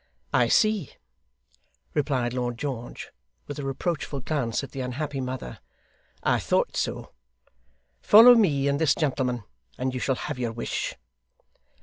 'I see,' replied Lord George, with a reproachful glance at the unhappy mother. 'I thought so. Follow me and this gentleman, and you shall have your wish.